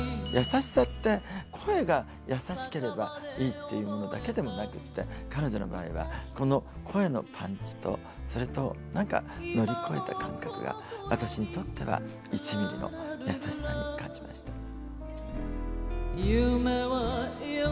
優しさって声が優しければいいっていうものだけでもなくって彼女の場合は、この声のパンチとそれと、なんか乗り越えた感覚が私にとっては１ミリの優しさに感じました。